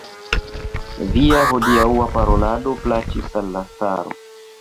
Via hodiaŭa parolado plaĉis al la caro.